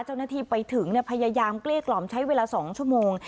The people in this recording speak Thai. เจ้าหน้าที่ไปถึงพยายามเกลี้ยกล่อมใช้เวลา๒ชั่วโมง